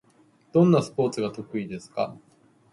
どんなスポーツが得意ですか？